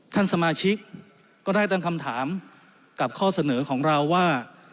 ท่านสมาชิกก็ได้ตั้งคำถามกับข้อเสนอของเราว่า